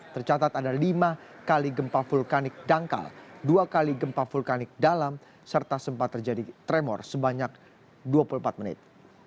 tercatat ada lima kali gempa vulkanik dangkal dua kali gempa vulkanik dalam serta sempat terjadi tremor sebanyak dua puluh empat menit